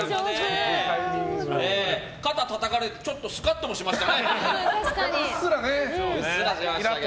肩たたかれてちょっとスカッともしました。